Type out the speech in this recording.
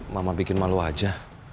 mama bikin malu aja